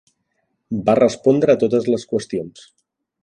Va respondre a totes les qüestions.